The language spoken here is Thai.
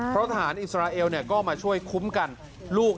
เพราะทหารอิสราเอลก็มาช่วยคุ้มกันลูก